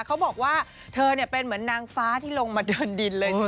เขาบอกว่าเธอเป็นเหมือนนางฟ้าที่ลงมาเดินดินเลย